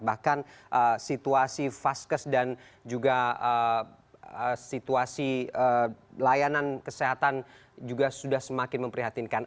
bahkan situasi vaskes dan juga situasi layanan kesehatan juga sudah semakin memprihatinkan